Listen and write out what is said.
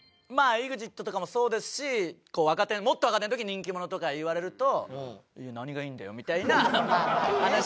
ＥＸＩＴとかもそうですし若手もっと若手の時に人気者とか言われると「何がいいんだよ」みたいな話はよくしてました。